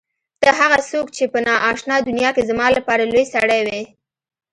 ته هغه څوک چې په نا آشنا دنیا کې زما لپاره لوى سړى وې.